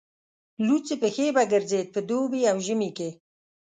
لوڅې پښې به ګرځېد په دوبي او ژمي کې.